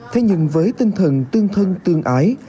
thế nhưng với tinh thần tương thân tương ái